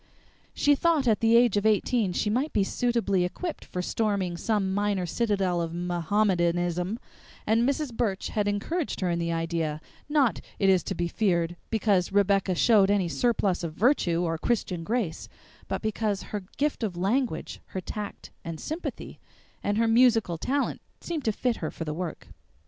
She thought at the age of eighteen she might be suitably equipped for storming some minor citadel of Mohammedanism; and Mrs. Burch had encouraged her in the idea, not, it is to be feared, because Rebecca showed any surplus of virtue or Christian grace, but because her gift of language, her tact and sympathy, and her musical talent seemed to fit her for the work.